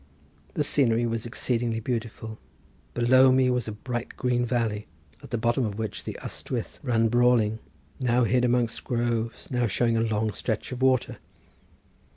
The scenery was exceedingly beautiful. Below me was a bright green valley, at the bottom of which the Ystwyth ran brawling, now hid amongst groves, now showing a long stretch of water.